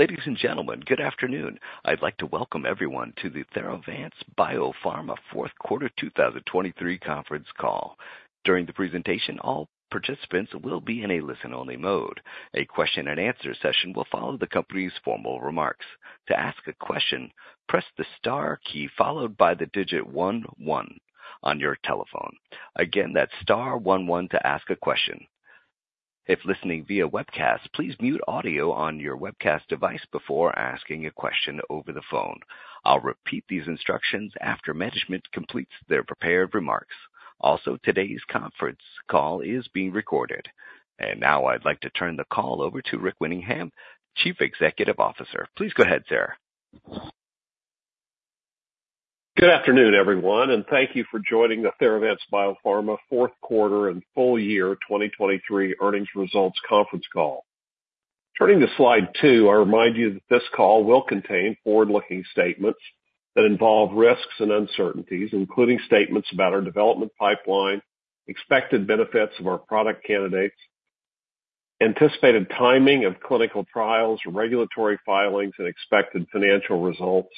Ladies and gentlemen, good afternoon. I'd like to welcome everyone to the Theravance Biopharma Fourth Quarter 2023 conference call. During the presentation, all participants will be in a listen-only mode. A question and answer session will follow the company's formal remarks. To ask a question, press the star key, followed by the digit one-one on your telephone. Again, that's star one-one to ask a question. If listening via webcast, please mute audio on your webcast device before asking a question over the phone. I'll repeat these instructions after management completes their prepared remarks. Also, today's conference call is being recorded. Now I'd like to turn the call over to Rick Winningham, Chief Executive Officer. Please go ahead, sir. Good afternoon, everyone, and thank you for joining the Theravance Biopharma fourth quarter and full year 2023 earnings results conference call. Turning to slide two, I'll remind you that this call will contain forward-looking statements that involve risks and uncertainties, including statements about our development pipeline, expected benefits of our product candidates, anticipated timing of clinical trials, regulatory filings, and expected financial results.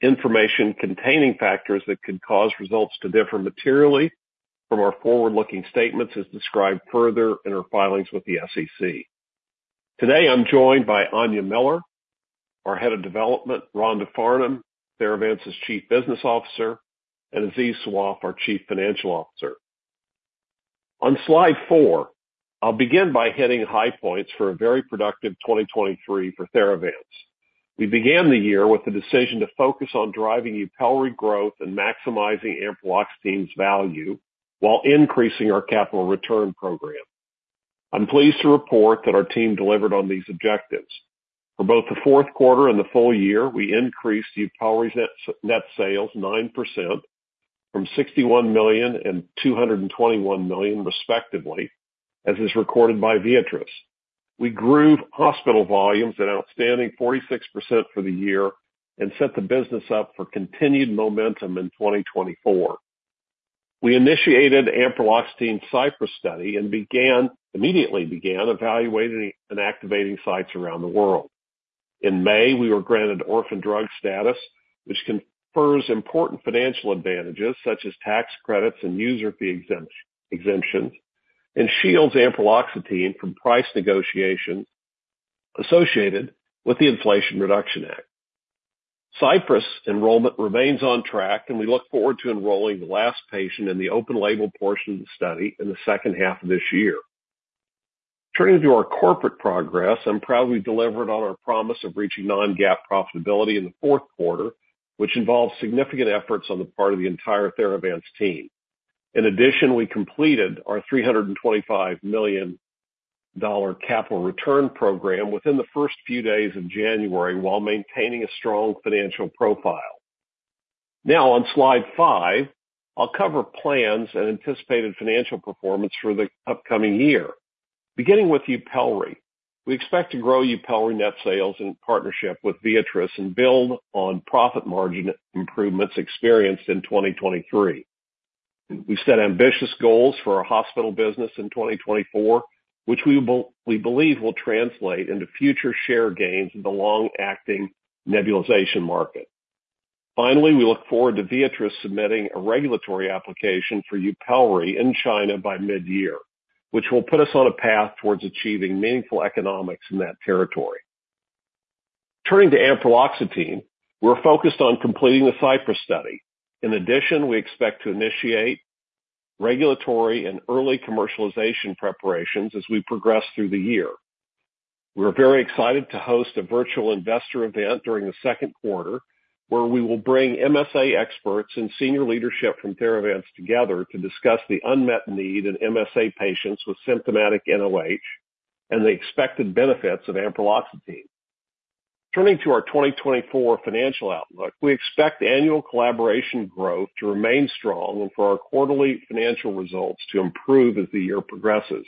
Information containing factors that could cause results to differ materially from our forward-looking statements is described further in our filings with the SEC. Today, I'm joined by Áine Miller, our Head of Development, Rhonda Farnum, Theravance's Chief Business Officer, and Aziz Sawaf, our Chief Financial Officer. On slide four, I'll begin by hitting high points for a very productive 2023 for Theravance. We began the year with the decision to focus on driving Yupelri growth and maximizing ampreloxetine's value while increasing our capital return program. I'm pleased to report that our team delivered on these objectives. For both the fourth quarter and the full year, we increased Yupelri's net, net sales 9% from $61 million and $221 million, respectively, as is recorded by Viatris. We grew hospital volumes an outstanding 46% for the year and set the business up for continued momentum in 2024. We initiated ampreloxetine CYPRESS study and immediately began evaluating and activating sites around the world. In May, we were granted orphan drug status, which confers important financial advantages, such as tax credits and user fee exemptions, and shields ampreloxetine from price negotiations associated with the Inflation Reduction Act. CYPRESS enrollment remains on track, and we look forward to enrolling the last patient in the open label portion of the study in the second half of this year. Turning to our corporate progress, I'm proud we delivered on our promise of reaching non-GAAP profitability in the fourth quarter, which involves significant efforts on the part of the entire Theravance team. In addition, we completed our $325 million capital return program within the first few days of January, while maintaining a strong financial profile. Now, on slide five, I'll cover plans and anticipated financial performance for the upcoming year. Beginning with Yupelri, we expect to grow Yupelri net sales in partnership with Viatris and build on profit margin improvements experienced in 2023. We've set ambitious goals for our hospital business in 2024, which we believe will translate into future share gains in the long-acting nebulization market. Finally, we look forward to Viatris submitting a regulatory application for Yupelri in China by mid-year, which will put us on a path towards achieving meaningful economics in that territory. Turning to ampreloxetine, we're focused on completing the CYPRESS study. In addition, we expect to initiate regulatory and early commercialization preparations as we progress through the year. We're very excited to host a virtual investor event during the second quarter, where we will bring MSA experts and senior leadership from Theravance together to discuss the unmet need in MSA patients with symptomatic nOH and the expected benefits of ampreloxetine. Turning to our 2024 financial outlook, we expect annual collaboration growth to remain strong and for our quarterly financial results to improve as the year progresses.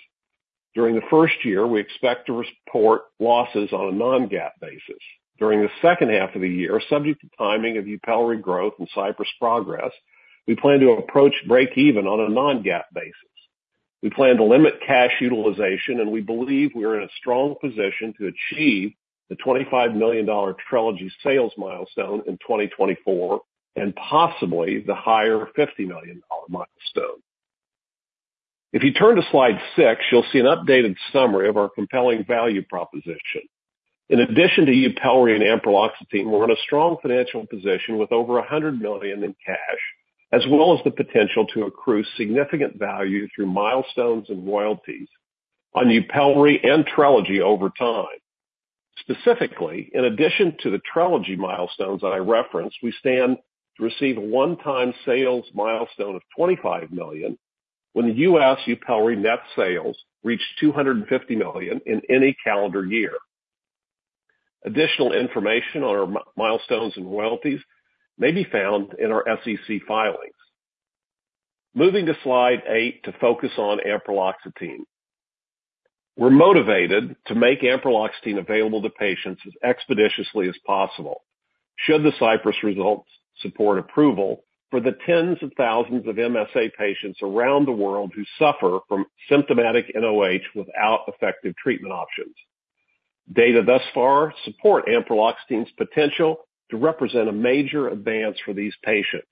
During the first half of the year, we expect to report losses on a non-GAAP basis. During the second half of the year, subject to timing of Yupelri growth and CYPRESS progress, we plan to approach break even on a non-GAAP basis. We plan to limit cash utilization, and we believe we are in a strong position to achieve the $25 million Trelegy sales milestone in 2024 and possibly the higher $50 million milestone. If you turn to slide six, you'll see an updated summary of our compelling value proposition. In addition to Yupelri and ampreloxetine, we're in a strong financial position with over $100 million in cash, as well as the potential to accrue significant value through milestones and royalties on Yupelri and Trelegy over time. Specifically, in addition to the Trelegy milestones that I referenced, we stand to receive a one-time sales milestone of $25 million when the U.S. Yupelri net sales reach $250 million in any calendar year. Additional information on our milestones and royalties may be found in our SEC filings. Moving to slide eight to focus on ampreloxetine. We're motivated to make ampreloxetine available to patients as expeditiously as possible.... Should the CYPRESS results support approval for the tens of thousands of MSA patients around the world who suffer from symptomatic nOH without effective treatment options. Data thus far support ampreloxetine's potential to represent a major advance for these patients.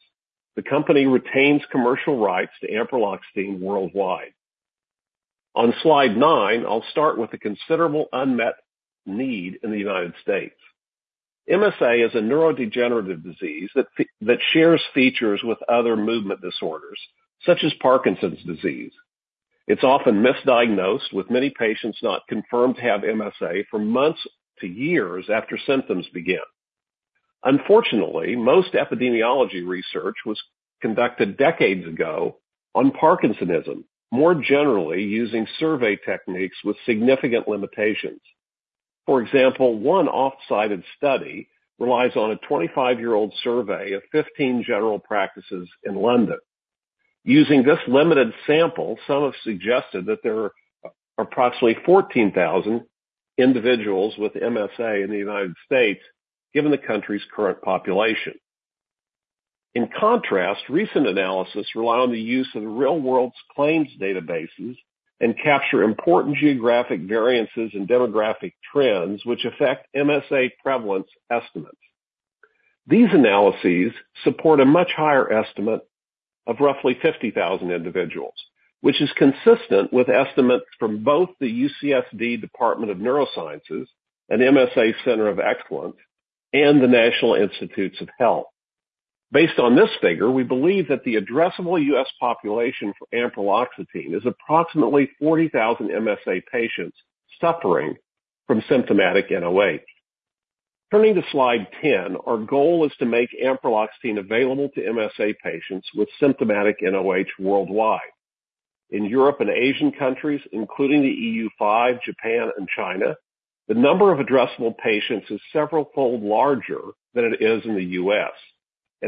The company retains commercial rights to ampreloxetine worldwide. On slide nine, I'll start with the considerable unmet need in the United States. MSA is a neurodegenerative disease that shares features with other movement disorders, such as Parkinson's Disease. It's often misdiagnosed, with many patients not confirmed to have MSA for months to years after symptoms begin. Unfortunately, most epidemiology research was conducted decades ago on parkinsonism, more generally using survey techniques with significant limitations. For example, one oft-cited study relies on a 25-year-old survey of 15 general practices in London. Using this limited sample, some have suggested that there are approximately 14,000 individuals with MSA in the United States, given the country's current population. In contrast, recent analysis rely on the use of real-world claims databases and capture important geographic variances and demographic trends, which affect MSA prevalence estimates. These analyses support a much higher estimate of roughly 50,000 individuals, which is consistent with estimates from both the UCSD Department of Neurosciences and MSA Center of Excellence and the National Institutes of Health. Based on this figure, we believe that the addressable U.S. population for ampreloxetine is approximately 40,000 MSA patients suffering from symptomatic nOH. Turning to slide 10, our goal is to make ampreloxetine available to MSA patients with symptomatic nOH worldwide. In Europe and Asian countries, including the EU5, Japan and China, the number of addressable patients is severalfold larger than it is in the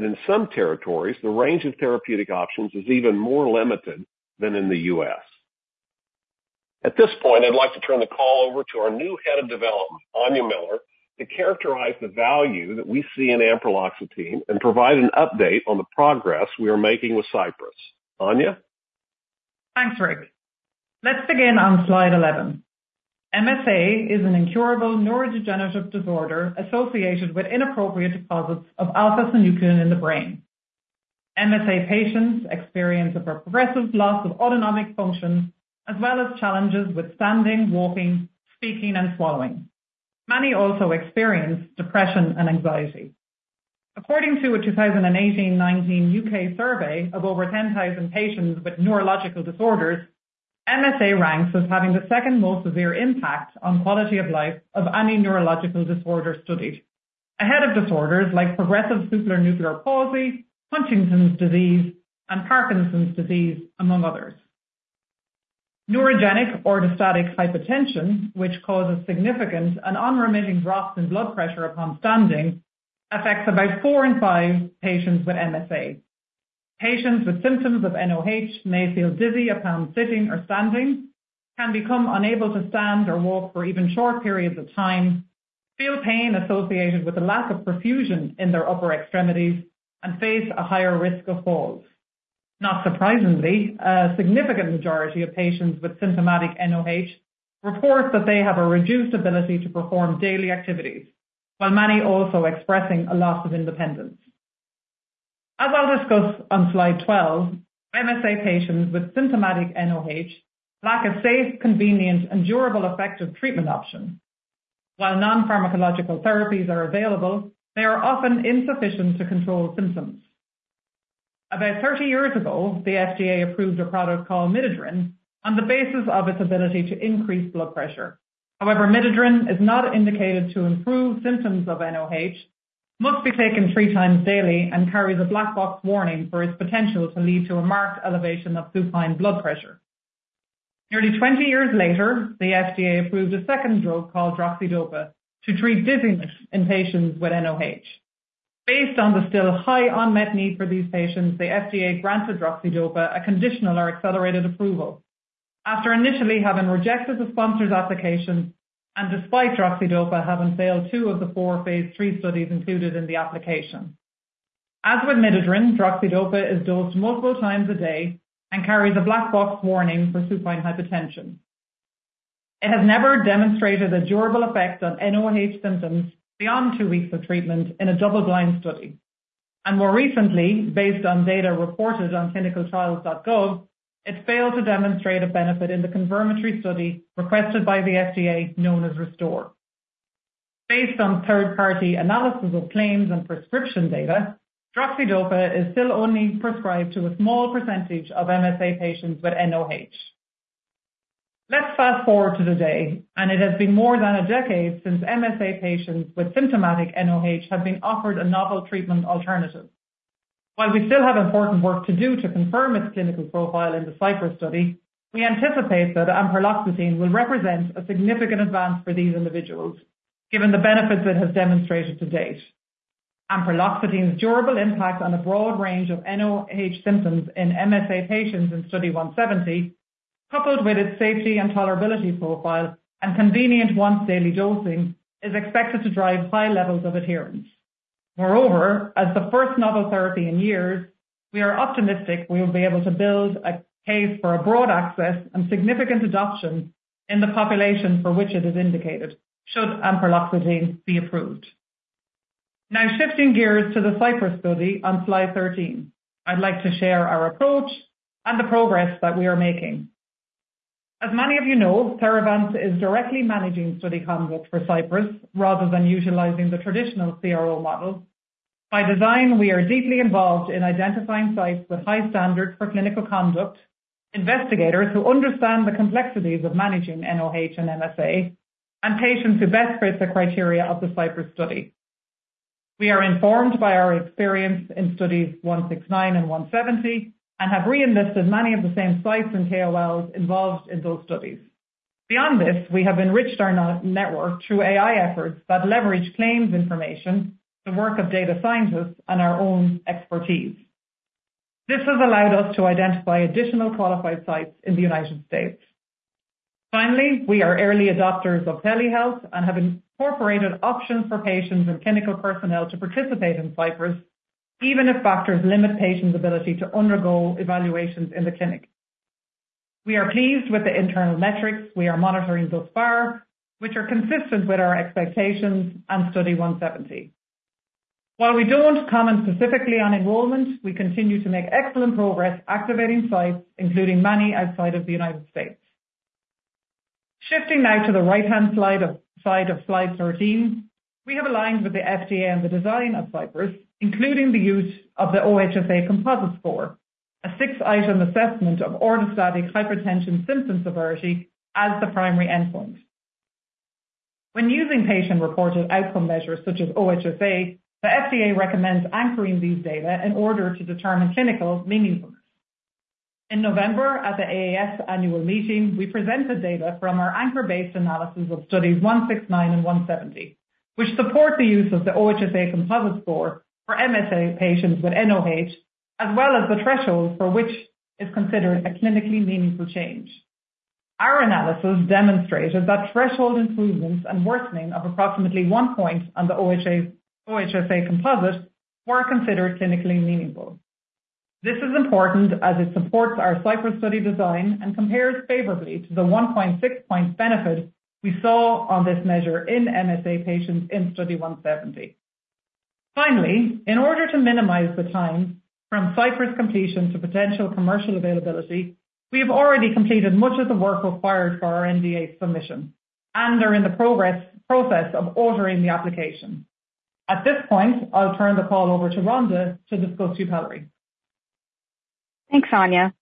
U.S. In some territories, the range of therapeutic options is even more limited than in the U.S. At this point, I'd like to turn the call over to our new head of development, Áine Miller, to characterize the value that we see in ampreloxetine and provide an update on the progress we are making with CYPRESS. Áine? Thanks, Rick. Let's begin on slide 11. MSA is an incurable neurodegenerative disorder associated with inappropriate deposits of alpha-synuclein in the brain. MSA patients experience a progressive loss of autonomic function, as well as challenges with standing, walking, speaking and swallowing. Many also experience depression and anxiety. According to a 2018-19 U.K. survey of over 10,000 patients with neurological disorders, MSA ranks as having the second most severe impact on quality of life of any neurological disorder studied, ahead of disorders like Progressive Supranuclear Palsy, Huntington's Disease, and Parkinson's Disease, among others. Neurogenic orthostatic hypotension, which causes significant and unremitting drops in blood pressure upon standing, affects about four in five patients with MSA. Patients with symptoms of nOH may feel dizzy upon sitting or standing, can become unable to stand or walk for even short periods of time, feel pain associated with a lack of perfusion in their upper extremities, and face a higher risk of falls. Not surprisingly, a significant majority of patients with symptomatic nOH report that they have a reduced ability to perform daily activities, while many also expressing a loss of independence. As I'll discuss on slide 12, MSA patients with symptomatic nOH lack a safe, convenient, and durable, effective treatment option. While non-pharmacological therapies are available, they are often insufficient to control symptoms. About 30 years ago, the FDA approved a product called midodrine on the basis of its ability to increase blood pressure. However, midodrine is not indicated to improve symptoms of nOH, must be taken three times daily, and carries a black box warning for its potential to lead to a marked elevation of supine blood pressure. Nearly 20 years later, the FDA approved a second drug called droxidopa to treat dizziness in patients with nOH. Based on the still high unmet need for these patients, the FDA granted droxidopa a conditional or accelerated approval. After initially having rejected the sponsor's application and despite droxidopa having failed two of the four phase III studies included in the application. As with midodrine, droxidopa is dosed multiple times a day and carries a black box warning for supine hypertension. It has never demonstrated a durable effect on nOH symptoms beyond two weeks of treatment in a double-blind study. And more recently, based on data reported on ClinicalTrials.gov, it failed to demonstrate a benefit in the confirmatory study requested by the FDA, known as RESTORE. Based on third-party analysis of claims and prescription data, droxidopa is still only prescribed to a small percentage of MSA patients with nOH. Let's fast-forward to today, and it has been more than a decade since MSA patients with symptomatic nOH have been offered a novel treatment alternative. While we still have important work to do to confirm its clinical profile in the CYPRESS study, we anticipate that ampreloxetine will represent a significant advance for these individuals, given the benefits it has demonstrated to date. ampreloxetine's durable impact on a broad range of nOH symptoms in MSA patients in Study 0170, coupled with its safety and tolerability profile and convenient once-daily dosing, is expected to drive high levels of adherence. Moreover, as the first novel therapy in years, we are optimistic we will be able to build a case for a broad access and significant adoption in the population for which it is indicated, should ampreloxetine be approved. Now, shifting gears to the CYPRESS study on slide 13, I'd like to share our approach and the progress that we are making. As many of you know, Theravance is directly managing study conduct for CYPRESS rather than utilizing the traditional CRO model. By design, we are deeply involved in identifying sites with high standards for clinical conduct, investigators who understand the complexities of managing nOH and MSA, and patients who best fit the criteria of the CYPRESS study. We are informed by our experience in studies 169 and 170, and have re-enlisted many of the same sites and KOLs involved in those studies. Beyond this, we have enriched our nOH network through AI efforts that leverage claims information, the work of data scientists, and our own expertise. This has allowed us to identify additional qualified sites in the United States. Finally, we are early adopters of telehealth and have incorporated options for patients and clinical personnel to participate in CYPRESS, even if factors limit patients' ability to undergo evaluations in the clinic. We are pleased with the internal metrics we are monitoring thus far, which are consistent with our expectations and Study 0170. While we don't comment specifically on enrollment, we continue to make excellent progress activating sites, including many outside of the United States. Shifting now to the right-hand side of slide 13, we have aligned with the FDA on the design of CYPRESS, including the use of the OHSA composite score, a six-item assessment of orthostatic hypotension symptom severity as the primary endpoint. When using patient-reported outcome measures such as OHSA, the FDA recommends anchoring these data in order to determine clinical meaningfulness. In November, at the AAS annual meeting, we presented data from our anchor-based analysis of studies 0169 and 0170, which support the use of the OHSA composite score for MSA patients with nOH, as well as the threshold for which is considered a clinically meaningful change. Our analysis demonstrated that threshold improvements and worsening of approximately 1 point on the OHSA composite were considered clinically meaningful. This is important as it supports our CYPRESS study design and compares favorably to the 1.6-point benefit we saw on this measure in MSA patients in Study 0170. Finally, in order to minimize the time from CYPRESS completion to potential commercial availability, we have already completed much of the work required for our NDA submission and are in the process of preparing the application. At this point, I'll turn the call over to Rhonda to discuss Yupelri. Thanks, Áine.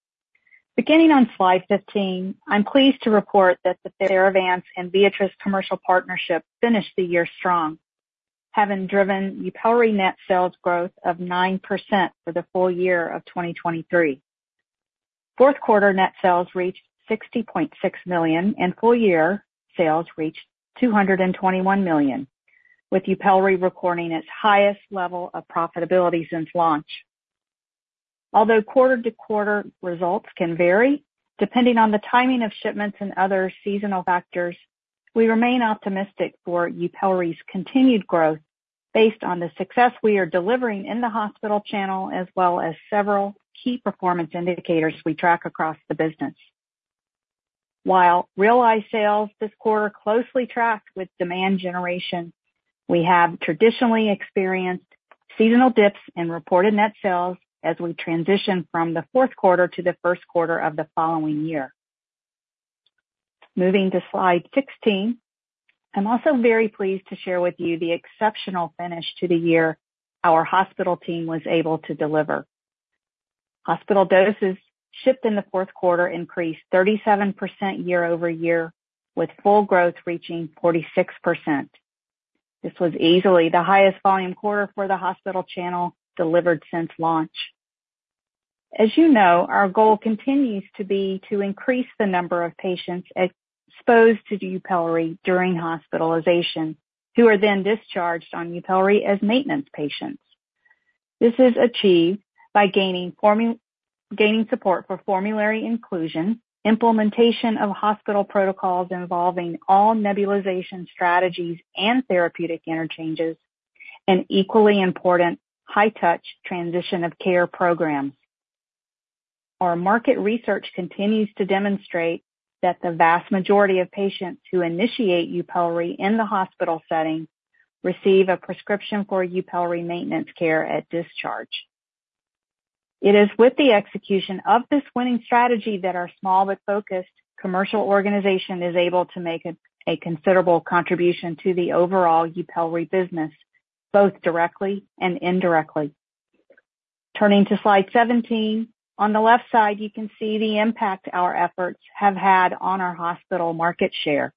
Beginning on slide 15, I'm pleased to report that the Theravance and Viatris commercial partnership finished the year strong, having driven Yupelri net sales growth of 9% for the full year of 2023. Fourth quarter net sales reached $60.6 million, and full year sales reached $221 million, with Yupelri recording its highest level of profitability since launch. Although quarter-to-quarter results can vary depending on the timing of shipments and other seasonal factors, we remain optimistic for Yupelri's continued growth based on the success we are delivering in the hospital channel, as well as several key performance indicators we track across the business. While realized sales this quarter closely tracked with demand generation, we have traditionally experienced seasonal dips in reported net sales as we transition from the fourth quarter to the first quarter of the following year. Moving to slide 16, I'm also very pleased to share with you the exceptional finish to the year our hospital team was able to deliver. Hospital doses shipped in the fourth quarter increased 37% year-over-year, with full growth reaching 46%. This was easily the highest volume quarter for the hospital channel delivered since launch. As you know, our goal continues to be to increase the number of patients exposed to Yupelri during hospitalization, who are then discharged on Yupelri as maintenance patients. This is achieved by gaining support for formulary inclusion, implementation of hospital protocols involving all nebulization strategies and therapeutic interchanges, and equally important, high-touch transition of care programs. Our market research continues to demonstrate that the vast majority of patients who initiate Yupelri in the hospital setting receive a prescription for Yupelri maintenance care at discharge. It is with the execution of this winning strategy that our small but focused commercial organization is able to make a considerable contribution to the overall Yupelri business, both directly and indirectly. Turning to slide 17, on the left side, you can see the impact our efforts have had on our hospital market share.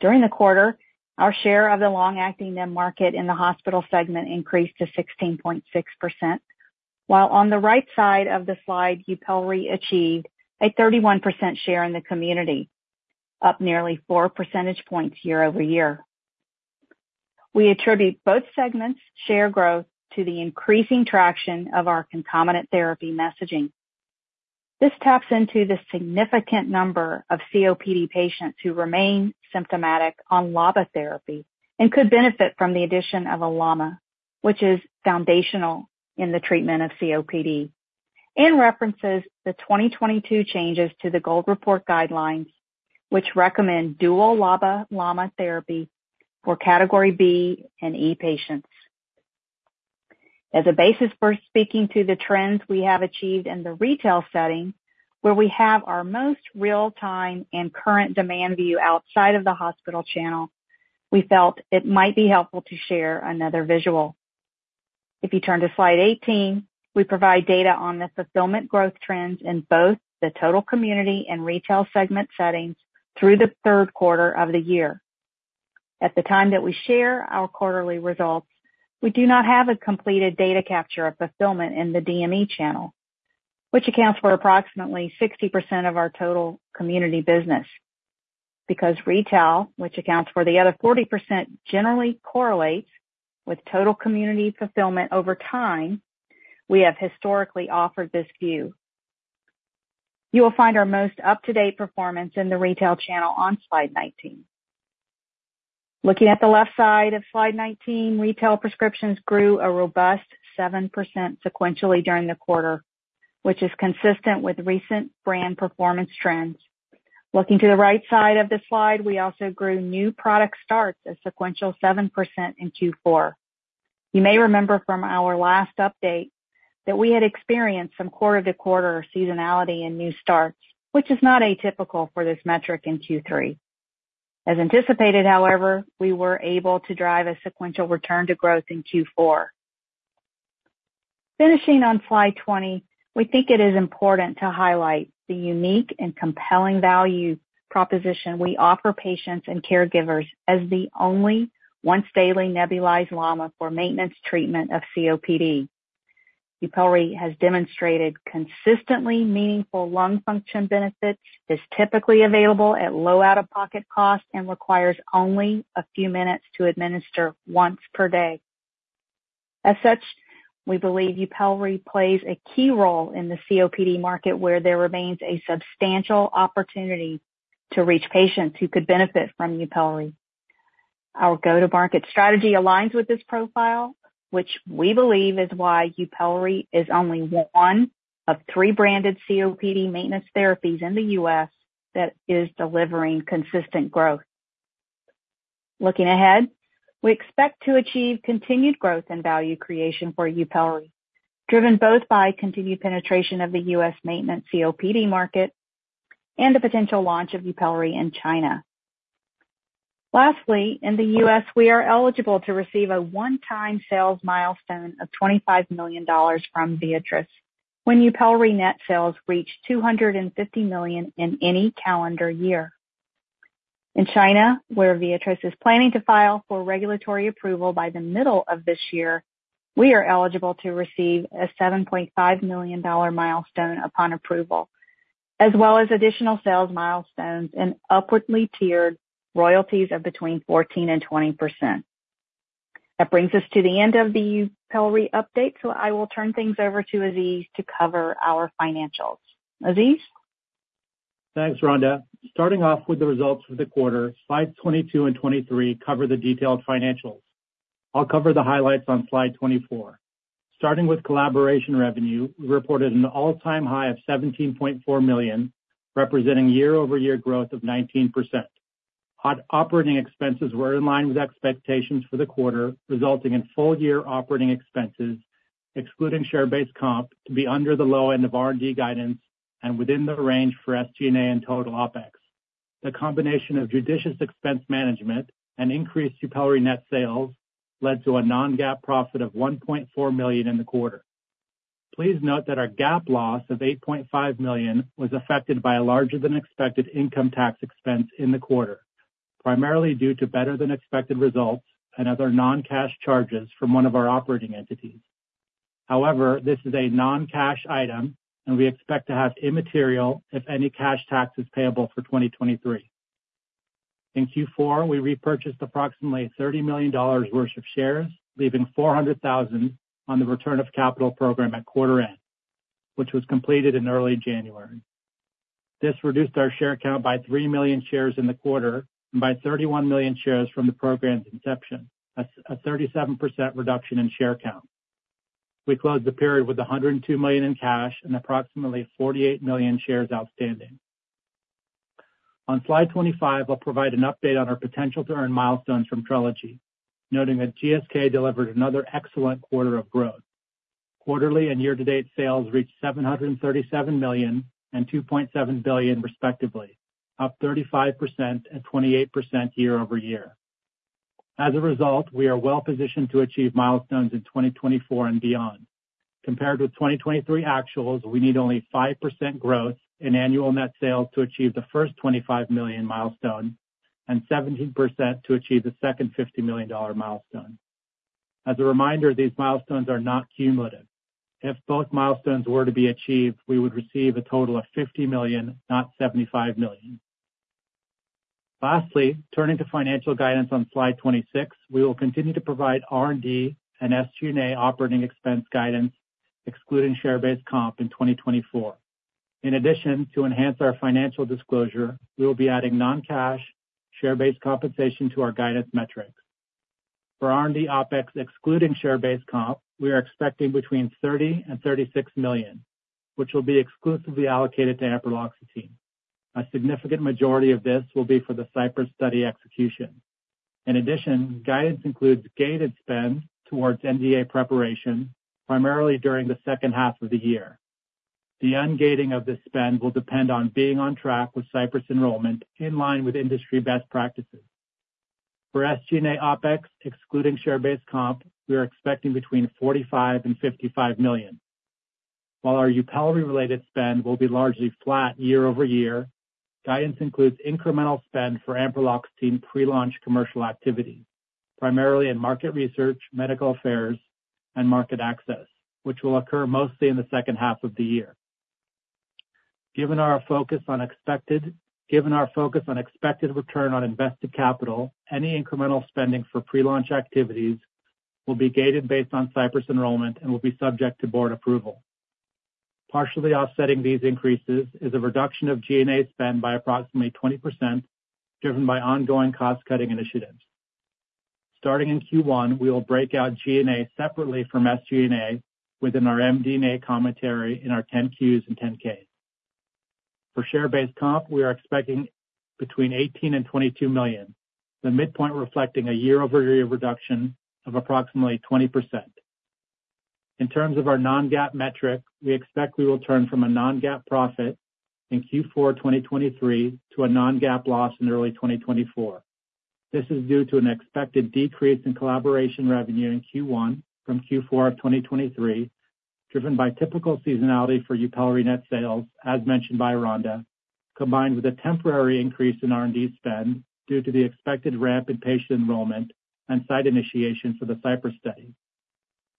During the quarter, our share of the long-acting LAMA market in the hospital segment increased to 16.6%, while on the right side of the slide, Yupelri achieved a 31% share in the community, up nearly 4 percentage points year-over-year.... We attribute both segments' share growth to the increasing traction of our concomitant therapy messaging. This taps into the significant number of COPD patients who remain symptomatic on LABA therapy and could benefit from the addition of a LAMA, which is foundational in the treatment of COPD, and references the 2022 changes to the GOLD report guidelines, which recommend dual LABA-LAMA therapy for Category B and E patients. As a basis for speaking to the trends we have achieved in the retail setting, where we have our most real-time and current demand view outside of the hospital channel, we felt it might be helpful to share another visual. If you turn to slide 18, we provide data on the fulfillment growth trends in both the total community and retail segment settings through the third quarter of the year. At the time that we share our quarterly results, we do not have a completed data capture of fulfillment in the DME channel, which accounts for approximately 60% of our total community business. Because retail, which accounts for the other 40%, generally correlates with total community fulfillment over time, we have historically offered this view. You will find our most up-to-date performance in the retail channel on slide 19. Looking at the left side of slide 19, retail prescriptions grew a robust 7% sequentially during the quarter, which is consistent with recent brand performance trends. Looking to the right side of the slide, we also grew new product starts, a sequential 7% in Q4. You may remember from our last update that we had experienced some quarter-to-quarter seasonality in new starts, which is not atypical for this metric in Q3. As anticipated, however, we were able to drive a sequential return to growth in Q4. Finishing on slide 20, we think it is important to highlight the unique and compelling value proposition we offer patients and caregivers as the only once-daily nebulized LAMA for maintenance treatment of COPD. Yupelri has demonstrated consistently meaningful lung function benefits, is typically available at low out-of-pocket costs, and requires only a few minutes to administer once per day. As such, we believe Yupelri plays a key role in the COPD market, where there remains a substantial opportunity to reach patients who could benefit from Yupelri. Our go-to-market strategy aligns with this profile, which we believe is why Yupelri is only one of three branded COPD maintenance therapies in the U.S. that is delivering consistent growth. Looking ahead, we expect to achieve continued growth and value creation for Yupelri, driven both by continued penetration of the U.S. maintenance COPD market and the potential launch of Yupelri in China. Lastly, in the U.S., we are eligible to receive a one-time sales milestone of $25 million from Viatris when Yupelri net sales reach $250 million in any calendar year. In China, where Viatris is planning to file for regulatory approval by the middle of this year, we are eligible to receive a $7.5 million milestone upon approval, as well as additional sales milestones and upwardly tiered royalties of between 14% and 20%. That brings us to the end of the Yupelri update, so I will turn things over to Aziz to cover our financials. Aziz? Thanks, Rhonda. Starting off with the results for the quarter, slides 22 and 23 cover the detailed financials. I'll cover the highlights on slide 24. Starting with collaboration revenue, we reported an all-time high of $17.4 million, representing year-over-year growth of 19%. Our operating expenses were in line with expectations for the quarter, resulting in full-year operating expenses, excluding share-based comp, to be under the low end of RD guidance and within the range for SG&A and total OpEx. The combination of judicious expense management and increased Yupelri net sales led to a non-GAAP profit of $1.4 million in the quarter. Please note that our GAAP loss of $8.5 million was affected by a larger-than-expected income tax expense in the quarter, primarily due to better-than-expected results and other non-cash charges from one of our operating entities. However, this is a non-cash item, and we expect to have immaterial, if any, cash taxes payable for 2023. In Q4, we repurchased approximately $30 million worth of shares, leaving 400,000 on the return of capital program at quarter end, which was completed in early January. This reduced our share count by 3 million shares in the quarter and by 31 million shares from the program's inception, a 37% reduction in share count. We closed the period with $102 million in cash and approximately 48 million shares outstanding. On slide 25, I'll provide an update on our potential to earn milestones from Trelegy, noting that GSK delivered another excellent quarter of growth. Quarterly and year-to-date sales reached $737 million and $2.7 billion, respectively, up 35% and 28% year-over-year. As a result, we are well positioned to achieve milestones in 2024 and beyond. Compared with 2023 actuals, we need only 5% growth in annual net sales to achieve the first $25 million milestone and 17% to achieve the second $50 million milestone. As a reminder, these milestones are not cumulative. If both milestones were to be achieved, we would receive a total of $50 million, not $75 million. Lastly, turning to financial guidance on slide 26, we will continue to provide R&D and SG&A operating expense guidance, excluding share-based comp in 2024. In addition, to enhance our financial disclosure, we will be adding non-cash share-based compensation to our guidance metrics. For R&D OpEx, excluding share-based comp, we are expecting between $30 million and $36 million, which will be exclusively allocated to ampreloxetine. A significant majority of this will be for the CYPRESS study execution. In addition, guidance includes gated spend towards NDA preparation, primarily during the second half of the year. The ungating of this spend will depend on being on track with CYPRESS enrollment, in line with industry best practices. For SG&A OpEx, excluding share-based comp, we are expecting between $45 million-$55 million. While our Yupelri-related spend will be largely flat year-over-year, guidance includes incremental spend for ampreloxetine pre-launch commercial activity, primarily in market research, medical affairs, and market access, which will occur mostly in the second half of the year. Given our focus on expected return on invested capital, any incremental spending for pre-launch activities will be gated based on CYPRESS enrollment and will be subject to board approval. Partially offsetting these increases is a reduction of G&A spend by approximately 20%, driven by ongoing cost-cutting initiatives. Starting in Q1, we will break out G&A separately from SG&A within our MD&A commentary in our 10-Qs and 10-Ks. For share-based comp, we are expecting between $18 million and $22 million, the midpoint reflecting a year-over-year reduction of approximately 20%. In terms of our non-GAAP metric, we expect we will turn from a non-GAAP profit in Q4 2023 to a non-GAAP loss in early 2024. This is due to an expected decrease in collaboration revenue in Q1 from Q4 2023, driven by typical seasonality for Yupelri net sales, as mentioned by Rhonda, combined with a temporary increase in R&D spend due to the expected rapid patient enrollment and site initiation for the CYPRESS study.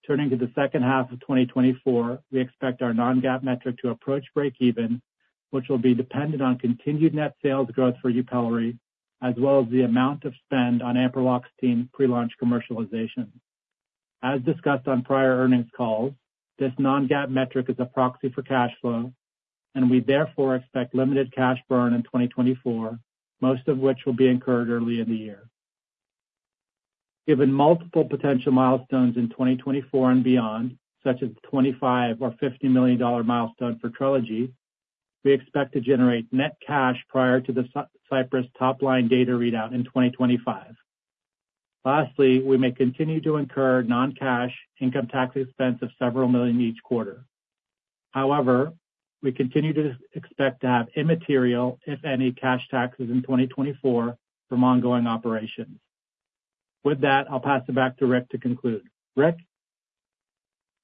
Turning to the second half of 2024, we expect our non-GAAP metric to approach breakeven, which will be dependent on continued net sales growth for Yupelri, as well as the amount of spend on ampreloxetine pre-launch commercialization. As discussed on prior earnings calls, this non-GAAP metric is a proxy for cash flow, and we therefore expect limited cash burn in 2024, most of which will be incurred early in the year. Given multiple potential milestones in 2024 and beyond, such as $25 million or $50 million milestone for Trelegy, we expect to generate net cash prior to the CYPRESS top-line data readout in 2025. Lastly, we may continue to incur non-cash income tax expense of several million each quarter. However, we continue to expect to have immaterial, if any, cash taxes in 2024 from ongoing operations. With that, I'll pass it back to Rick to conclude. Rick?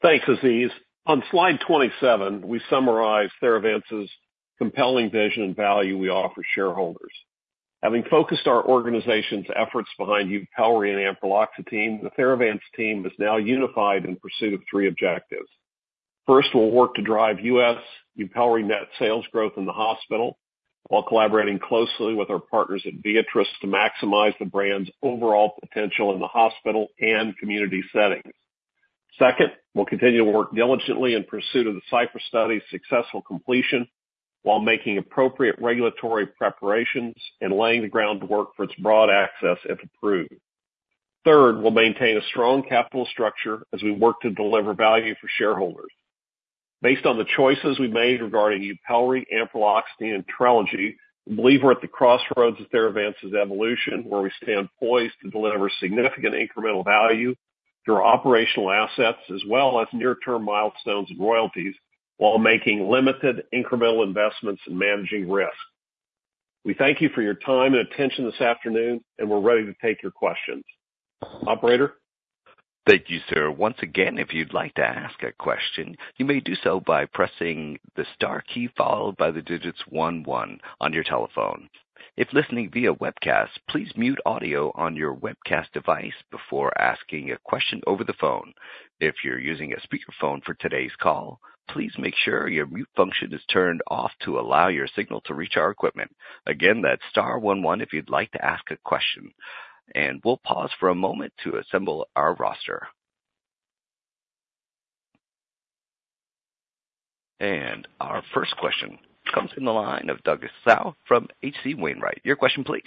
Thanks, Aziz. On slide 27, we summarize Theravance's compelling vision and value we offer shareholders. Having focused our organization's efforts behind Yupelri and ampreloxetine, the Theravance team is now unified in pursuit of three objectives. First, we'll work to drive U.S. Yupelri net sales growth in the hospital, while collaborating closely with our partners at Viatris to maximize the brand's overall potential in the hospital and community settings. Second, we'll continue to work diligently in pursuit of the CYPRESS study's successful completion while making appropriate regulatory preparations and laying the groundwork for its broad access if approved. Third, we'll maintain a strong capital structure as we work to deliver value for shareholders. Based on the choices we made regarding Yupelri, ampreloxetine, and Trelegy, we believe we're at the crossroads of Theravance's evolution, where we stand poised to deliver significant incremental value through operational assets as well as near-term milestones and royalties, while making limited incremental investments in managing risk. We thank you for your time and attention this afternoon, and we're ready to take your questions. Operator? Thank you, sir. Once again, if you'd like to ask a question, you may do so by pressing the star key followed by the digits one one on your telephone. If listening via webcast, please mute audio on your webcast device before asking a question over the phone. If you're using a speakerphone for today's call, please make sure your mute function is turned off to allow your signal to reach our equipment. Again, that's star one one if you'd like to ask a question, and we'll pause for a moment to assemble our roster. And our first question comes in the line of Douglas Tsao from H.C. Wainwright. Your question, please.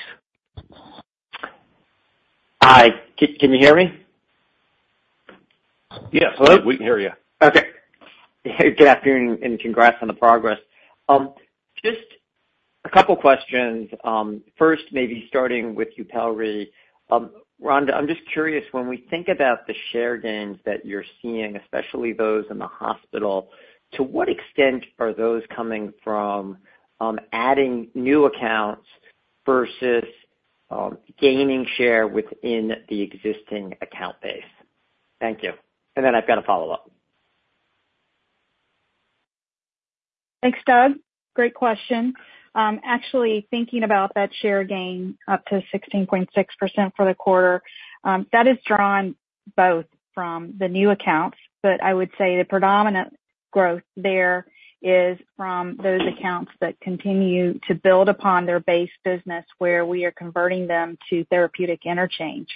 Hi, can you hear me? Yes, we can hear you. Okay. Hey, good afternoon, and congrats on the progress. Just a couple questions. First, maybe starting with Yupelri. Rhonda, I'm just curious, when we think about the share gains that you're seeing, especially those in the hospital, to what extent are those coming from, adding new accounts versus, gaining share within the existing account base? Thank you. And then I've got a follow-up.... Thanks, Doug. Great question. Actually, thinking about that share gain up to 16.6% for the quarter, that is drawn both from the new accounts, but I would say the predominant growth there is from those accounts that continue to build upon their base business, where we are converting them to therapeutic interchange.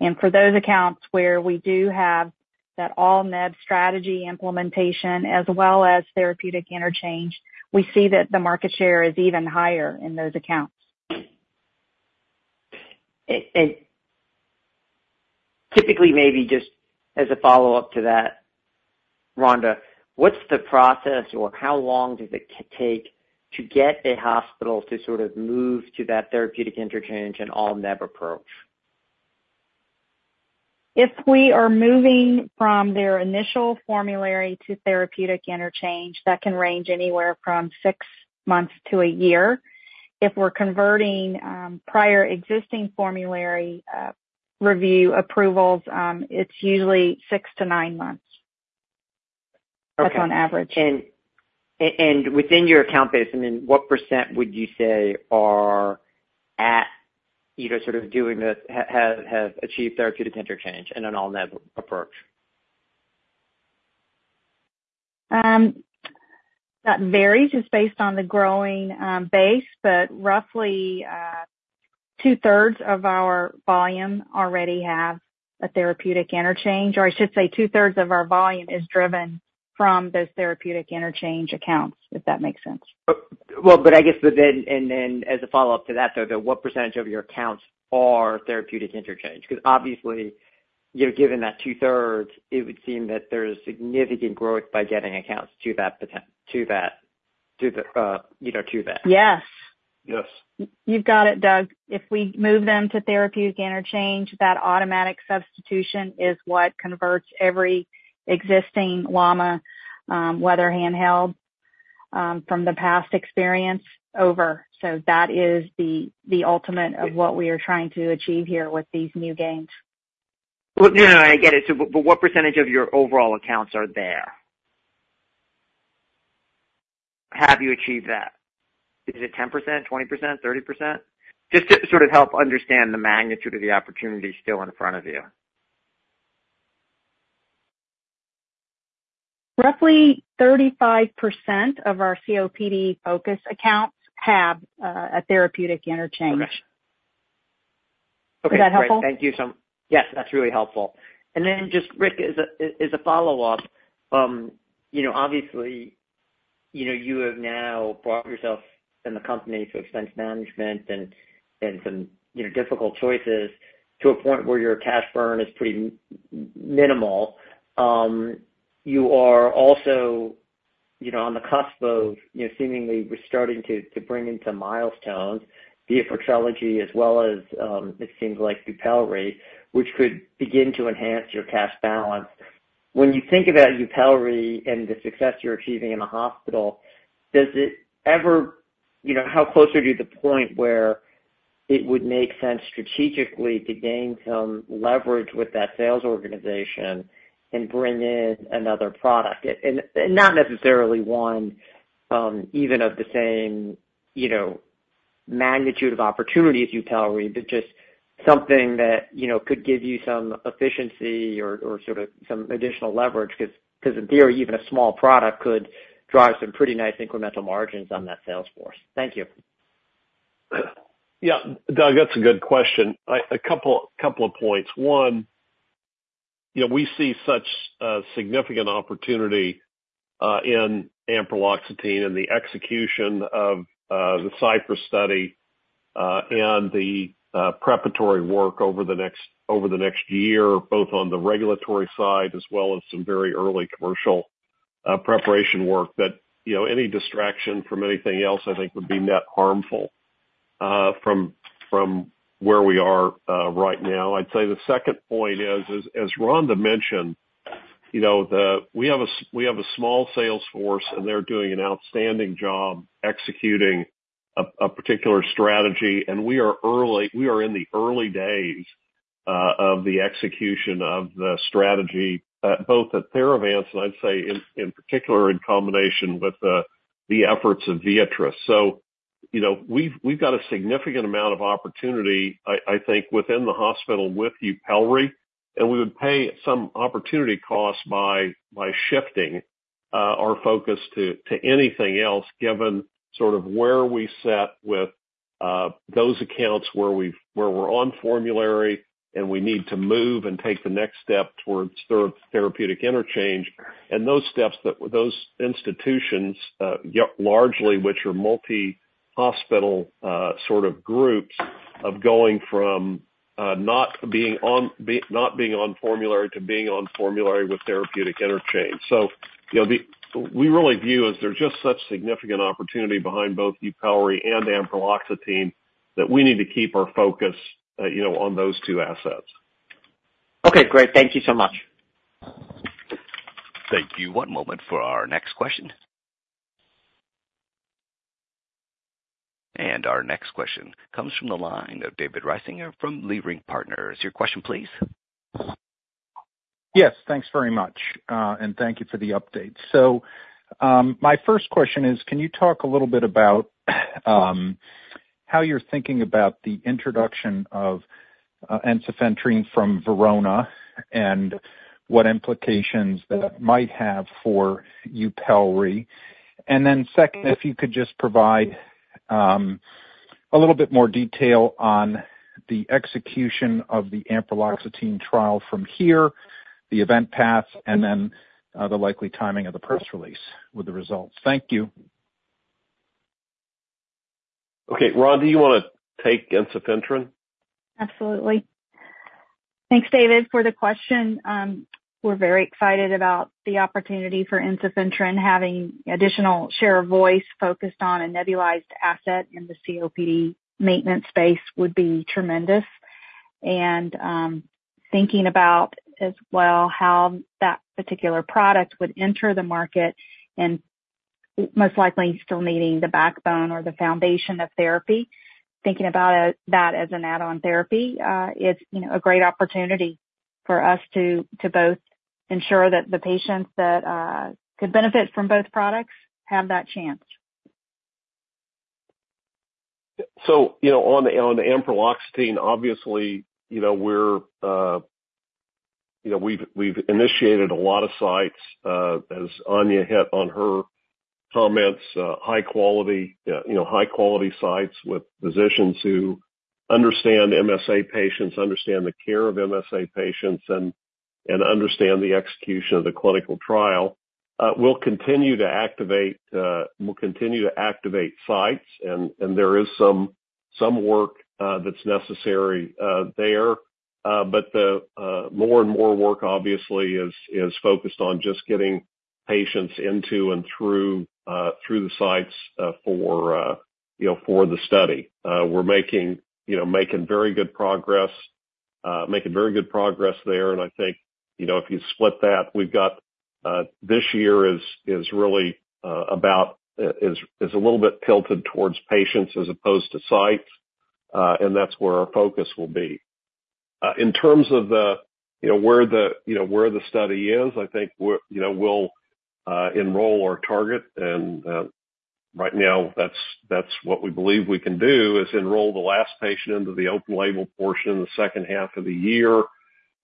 And for those accounts where we do have that all NEB strategy implementation as well as therapeutic interchange, we see that the market share is even higher in those accounts. Typically, maybe just as a follow-up to that, Rhonda, what's the process, or how long does it take to get a hospital to sort of move to that therapeutic interchange and all NEB approach? If we are moving from their initial formulary to therapeutic interchange, that can range anywhere from six months to a year. If we're converting prior existing formulary review approvals, it's usually 6-9 months. Okay. That's on average. Within your account base, I mean, what percent would you say are at, you know, sort of doing this, have achieved Therapeutic Interchange and an all NEB approach? That varies. It's based on the growing base, but roughly, 2/3 of our volume already have a therapeutic interchange, or I should say 2/3 of our volume is driven from those therapeutic interchange accounts, if that makes sense. Well, but I guess then- and, and as a follow-up to that, though, what percentage of your accounts are therapeutic interchange? Because obviously, you know, given that two thirds, it would seem that there's significant growth by getting accounts to that potent- to that, to the, you know, to that. Yes. Yes. You've got it, Doug. If we move them to therapeutic interchange, that automatic substitution is what converts every existing LAMA, whether handheld, from the past experience over. So that is the ultimate of what we are trying to achieve here with these new gains. Well, no, no, I get it. So but what percentage of your overall accounts are there? Have you achieved that? Is it 10%, 20%, 30%? Just to sort of help understand the magnitude of the opportunity still in front of you. Roughly 35% of our COPD focus accounts have a therapeutic interchange. Okay. Is that helpful? Yes, that's really helpful. Then just, Rick, as a follow-up, you know, obviously, you know, you have now brought yourself and the company to expense management and some, you know, difficult choices to a point where your cash burn is pretty minimal. You are also, you know, on the cusp of, you know, seemingly we're starting to bring in some milestones, Viatris technology, as well as, it seems like Yupelri, which could begin to enhance your cash balance. When you think about Yupelri and the success you're achieving in the hospital, does it ever... You know, how close are you to the point where it would make sense strategically to gain some leverage with that sales organization and bring in another product? And not necessarily one, even of the same, you know, magnitude of opportunity as Yupelri, but just something that, you know, could give you some efficiency or, or sort of some additional leverage, 'cause in theory, even a small product could drive some pretty nice incremental margins on that sales force. Thank you. Yeah, Doug, that's a good question. A couple, couple of points. One, you know, we see such significant opportunity in ampreloxetine and the execution of the CYPRESS study and the preparatory work over the next, over the next year, both on the regulatory side as well as some very early commercial preparation work, that, you know, any distraction from anything else, I think, would be net harmful from, from where we are right now. I'd say the second point is, as Rhonda mentioned, you know, we have a small sales force, and they're doing an outstanding job executing a particular strategy, and we are in the early days of the execution of the strategy, both at Theravance and I'd say in particular, in combination with the efforts of Viatris. So, you know, we've got a significant amount of opportunity, I think, within the hospital with Yupelri, and we would pay some opportunity costs by shifting our focus to anything else, given sort of where we sit with those accounts where we're on formulary, and we need to move and take the next step towards therapeutic interchange, and those institutions, largely, which are multi-hospital sort of groups going from not being on formulary to being on formulary with therapeutic interchange. So, you know, we really view as there's just such significant opportunity behind both Yupelri and ampreloxetine, that we need to keep our focus, you know, on those two assets. Okay, great. Thank you so much. Thank you. One moment for our next question. Our next question comes from the line of David Risinger from Leerink Partners. Your question, please? Yes, thanks very much, and thank you for the update. So, my first question is, can you talk a little bit about how you're thinking about the introduction of ensifentrine from Verona, and what implications that might have for Yupelri? And then second, if you could just provide a little bit more detail on the execution of the ampreloxetine trial from here, the event path, and then the likely timing of the press release with the results. Thank you. Okay, Rhonda, you want to take ensifentrine? Absolutely. Thanks, David, for the question. We're very excited about the opportunity for ensifentrine, having additional share of voice focused on a nebulized asset in the COPD maintenance space would be tremendous. And thinking about as well how that particular product would enter the market and most likely still needing the backbone or the foundation of therapy, thinking about that as an add-on therapy is, you know, a great opportunity for us to both ensure that the patients that could benefit from both products have that chance. So, you know, on the ampreloxetine, obviously, you know, we're, you know, we've initiated a lot of sites, as Áine hit on in her comments, high quality, you know, high quality sites with physicians who understand MSA patients, understand the care of MSA patients and understand the execution of the clinical trial. We'll continue to activate sites, and there is some work that's necessary there. But the more and more work obviously is focused on just getting patients into and through the sites, for, you know, for the study. We're making, you know, making very good progress, making very good progress there, and I think, you know, if you split that, we've got, this year is really about, is a little bit tilted towards patients as opposed to sites, and that's where our focus will be. In terms of, you know, where the study is, I think we're, you know, we'll enroll our target, and right now, that's what we believe we can do, is enroll the last patient into the open label portion in the second half of the year.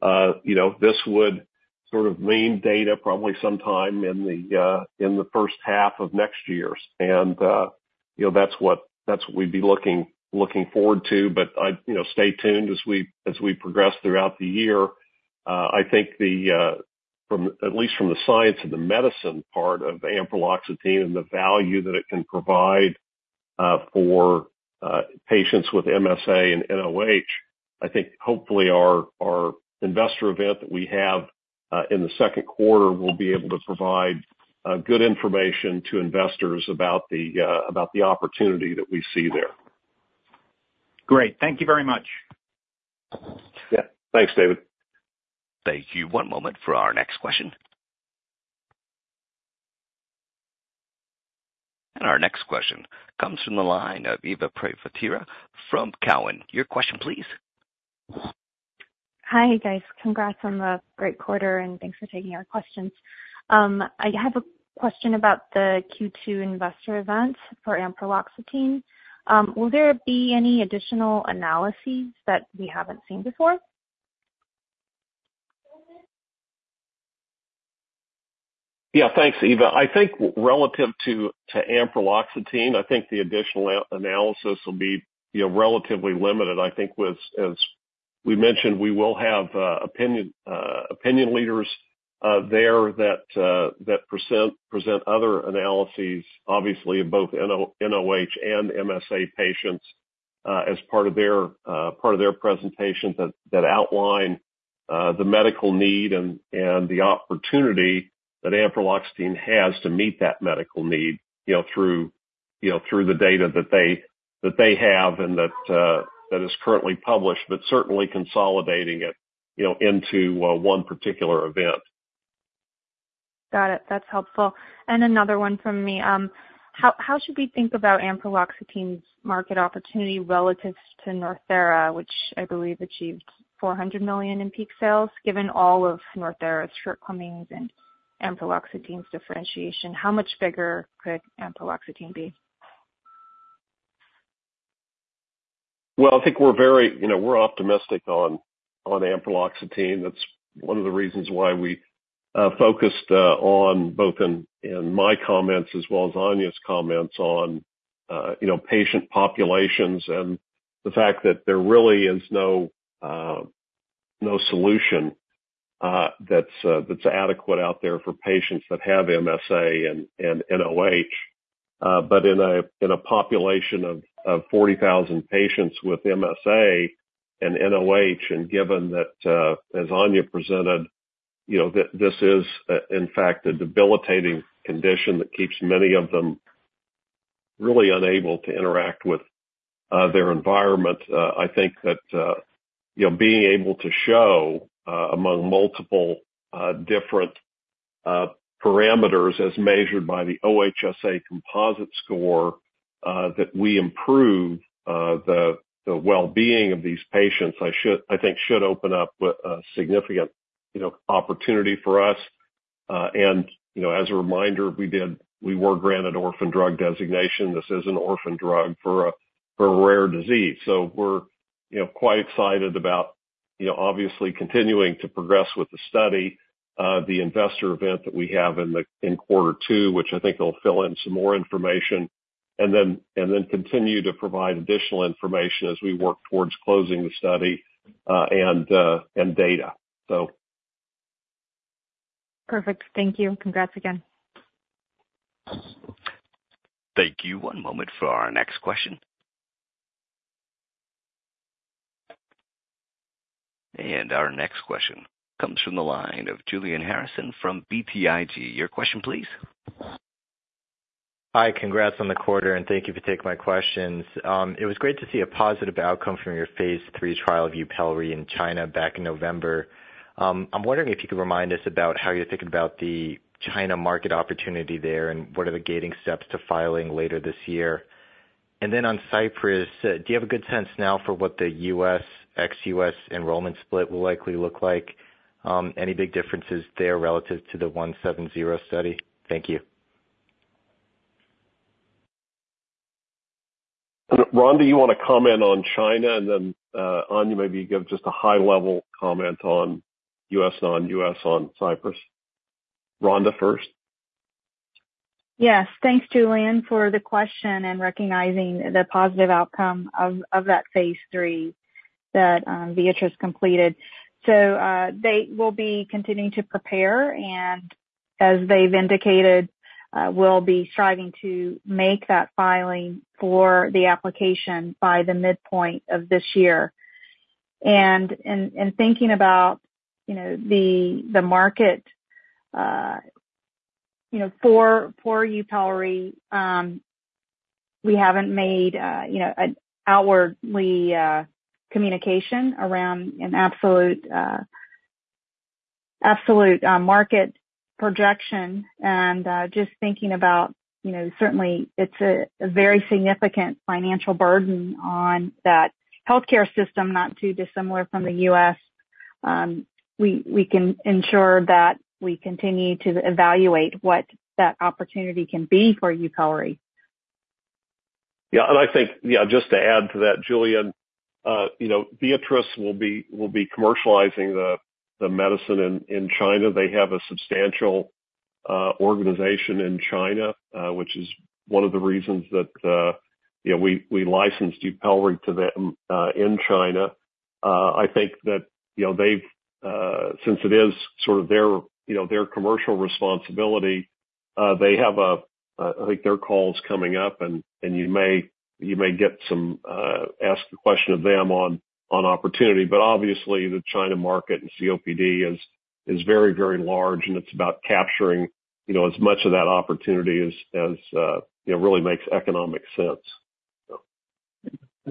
You know, this would sort of mean data probably sometime in the first half of next year. And, you know, that's what we'd be looking forward to. But I'd... You know, stay tuned as we progress throughout the year. I think, at least from the science and the medicine part of the ampreloxetine and the value that it can provide for patients with MSA and nOH, I think hopefully our investor event that we have in the second quarter will be able to provide good information to investors about the opportunity that we see there. Great. Thank you very much. Yeah. Thanks, David. Thank you. One moment for our next question. Our next question comes from the line of Eva Privitera from Cowen. Your question, please. Hi, guys. Congrats on the great quarter, and thanks for taking our questions. I have a question about the Q2 investor event for ampreloxetine. Will there be any additional analyses that we haven't seen before? Yeah, thanks, Eva. I think relative to ampreloxetine, I think the additional analysis will be, you know, relatively limited. I think, as we mentioned, we will have opinion leaders there that present other analyses, obviously in both nOH and MSA patients, as part of their presentation that outline the medical need and the opportunity that ampreloxetine has to meet that medical need, you know, through the data that they have and that is currently published, but certainly consolidating it, you know, into one particular event. Got it. That's helpful. And another one from me: how should we think about ampreloxetine's market opportunity relative to NORTHERA, which I believe achieved $400 million in peak sales, given all of NORTHERA's shortcomings and ampreloxetine's differentiation, how much bigger could ampreloxetine be? Well, I think we're very, you know, we're optimistic on ampreloxetine. That's one of the reasons why we focused on both in my comments as well as Áine's comments on, you know, patient populations and the fact that there really is no solution that's adequate out there for patients that have MSA and nOH. But in a population of 40,000 patients with MSA and nOH, and given that, as Áine presented, you know, this is in fact a debilitating condition that keeps many of them really unable to interact with their environment, I think that, you know, being able to show among multiple different-... parameters as measured by the OHSA composite score that we improve the well-being of these patients. I should I think should open up a significant, you know, opportunity for us. And, you know, as a reminder, we were granted Orphan Drug Designation. This is an orphan drug for a rare disease. So we're, you know, quite excited about, you know, obviously continuing to progress with the study. The investor event that we have in quarter two, which I think will fill in some more information, and then continue to provide additional information as we work towards closing the study, and data, so. Perfect. Thank you. Congrats again. Thank you. One moment for our next question. Our next question comes from the line of Julian Harrison from BTIG. Your question, please. Hi, congrats on the quarter, and thank you for taking my questions. It was great to see a positive outcome from your phase III trial of Yupelri in China back in November. I'm wondering if you could remind us about how you're thinking about the China market opportunity there, and what are the gating steps to filing later this year? And then on CYPRESS, do you have a good sense now for what the U.S., ex-U.S. enrollment split will likely look like? Any big differences there relative to the Study 0170? Thank you. Rhonda, you want to comment on China, and then, Áine, maybe give just a high level comment on U.S., non-U.S., on CYPRESS. Rhonda first. Yes. Thanks, Julian, for the question, and recognizing the positive outcome of that phase III that Viatris completed. So, they will be continuing to prepare, and as they've indicated, will be striving to make that filing for the application by the midpoint of this year. And, in thinking about, you know, the market, you know, for Yupelri, we haven't made, you know, an outwardly absolute market projection. And, just thinking about, you know, certainly it's a very significant financial burden on that healthcare system, not too dissimilar from the U.S.. We can ensure that we continue to evaluate what that opportunity can be for Yupelri. Yeah. And I think, yeah, just to add to that, Julian, you know, Viatris will be, will be commercializing the, the medicine in, in China. They have a substantial, organization in China, which is one of the reasons that, you know, we, we licensed Yupelri to them, in China. I think that, you know, they've, since it is sort of their, you know, their commercial responsibility, they have a... I think their call is coming up, and, and you may, you may get some, ask a question of them on, on opportunity. But obviously, the China market and COPD is, is very, very large, and it's about capturing, you know, as much of that opportunity as, as, you know, really makes economic sense, so.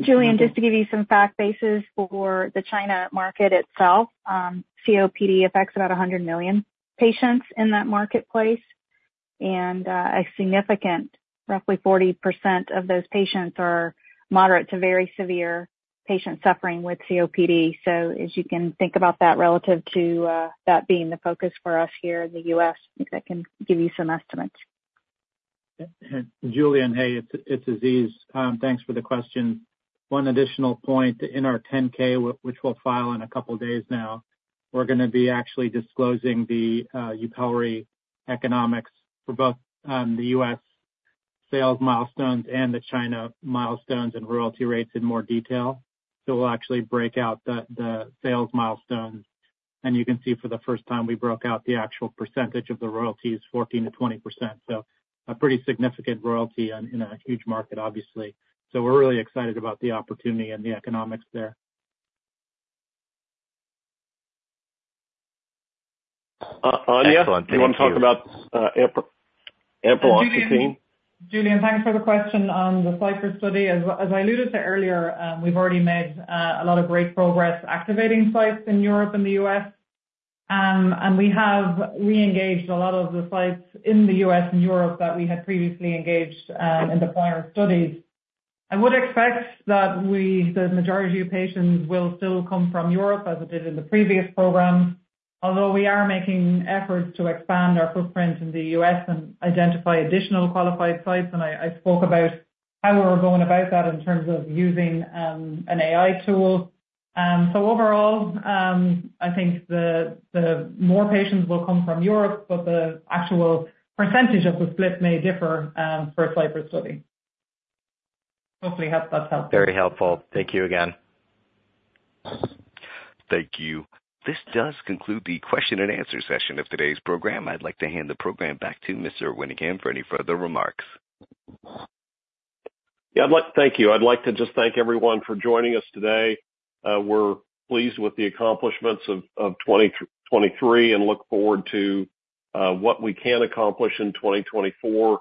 Julian, just to give you some fact bases for the China market itself, COPD affects about 100 million patients in that marketplace. And, a significant, roughly 40% of those patients are moderate to very severe patients suffering with COPD. So as you can think about that relative to, that being the focus for us here in the U.S., I think that can give you some estimates. Julian, hey, it's, it's Aziz. Thanks for the question. One additional point, in our 10-K, which we'll file in a couple of days now, we're gonna be actually disclosing the Yupelri economics for both the U.S. sales milestones and the China milestones and royalty rates in more detail. So we'll actually break out the sales milestones. And you can see for the first time, we broke out the actual percentage of the royalties, 14%-20%. So a pretty significant royalty in a huge market, obviously. So we're really excited about the opportunity and the economics there. Áine, do you want to talk about ampreloxetine? Julian, thanks for the question on the CYPRESS study. As I alluded to earlier, we've already made a lot of great progress activating sites in Europe and the U.S. And we have re-engaged a lot of the sites in the U.S. and Europe that we had previously engaged in the prior studies. I would expect that the majority of patients will still come from Europe, as it did in the previous program, although we are making efforts to expand our footprint in the U.S. and identify additional qualified sites. And I spoke about how we were going about that in terms of using an AI tool. So overall, I think the more patients will come from Europe, but the actual percentage of the split may differ for a CYPRESS study. Hopefully, that's helpful. Very helpful. Thank you again. Thank you. This does conclude the question and answer session of today's program. I'd like to hand the program back to Mr. Winningham again, for any further remarks. Yeah, I'd like, thank you. I'd like to just thank everyone for joining us today. We're pleased with the accomplishments of 2023, and look forward to what we can accomplish in 2024,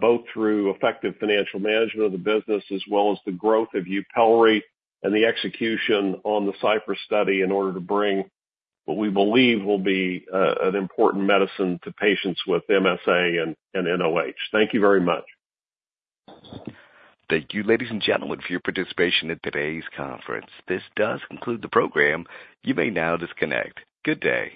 both through effective financial management of the business, as well as the growth of Yupelri and the execution on the CYPRESS study, in order to bring what we believe will be an important medicine to patients with MSA and nOH. Thank you very much. Thank you, ladies and gentlemen, for your participation in today's conference. This does conclude the program. You may now disconnect. Good day!